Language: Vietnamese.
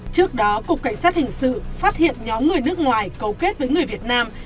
trước đó cục cảnh sát hình sự phát hiện nhóm người nước ngoài cầu kết với người việt nam